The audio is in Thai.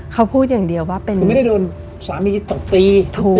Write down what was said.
เขาพูดอย่างเดียวว่าคือไม่ได้โดนสามีตกตี